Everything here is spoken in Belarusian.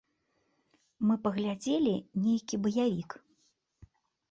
Мы паглядзелі нейкі баявік.